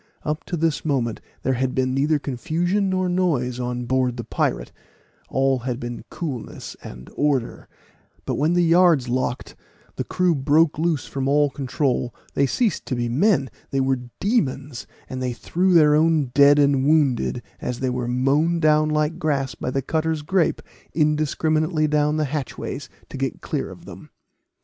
Up to this moment there had been neither confusion nor noise on board the pirate all had been coolness and order; but when the yards locked the crew broke loose from all control they ceased to be men they were demons, for they threw their own dead and wounded, as they were mown down like grass by the cutter's grape, indiscriminately down the hatchways to get clear of them.